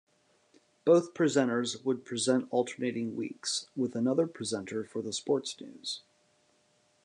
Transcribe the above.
Both presenters would present alternating weeks, with another presenter for the sports news.